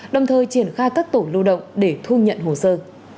đồng thời triển khai các tổ lưu động để thu nhận hồ sơ